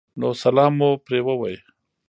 نو سلام مو پرې ووې